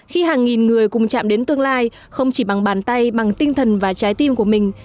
khi hàng nghìn người cùng chạm đến tương lai không chỉ bằng bàn tay bằng tinh thần và trái tim của mình